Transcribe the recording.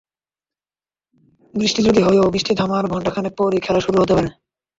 বৃষ্টি যদি হয়ও, বৃষ্টি থামার ঘণ্টা খানেক পরই খেলা শুরু হতে পারবে।